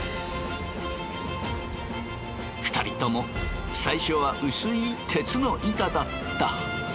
２人とも最初は薄い鉄の板だった。